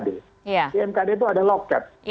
di mkd itu ada loket